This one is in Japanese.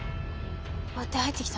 割って入ってきた。